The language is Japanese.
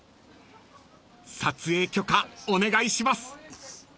［撮影許可お願いします］